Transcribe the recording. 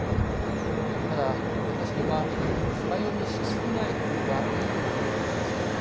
ただ、私には深読みしすぎないほうがいいように思います。